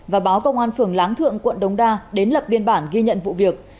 và báo công an phường láng thượng quận đống đa đến lập biên bản ghi nhận vụ việc